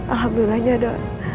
alhamdulillah ini ada